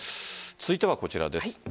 続いてはこちらです。